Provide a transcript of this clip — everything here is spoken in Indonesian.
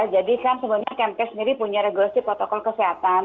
jadi kan sebenarnya kmp sendiri punya regulasi protokol kesehatan